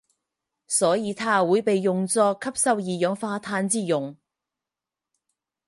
所以它会被用作吸收二氧化碳之用。